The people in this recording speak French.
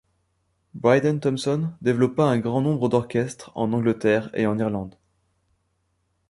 Bryden Thomson développa un grand nombre d'orchestres en Angleterre et en Irlande.